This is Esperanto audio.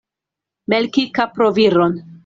Melki kaproviron.